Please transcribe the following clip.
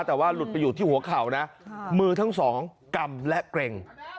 แต่ว่าหลุดไปอยู่ที่หัวเข่านะมือทั้งสองกำและเกร็ง